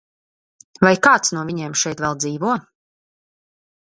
Vai kāds no viņiem šeit vēl dzīvo?